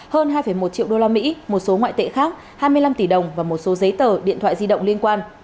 hơn hai một triệu usd một số ngoại tệ khác hai mươi năm tỷ đồng và một số giấy tờ điện thoại di động liên quan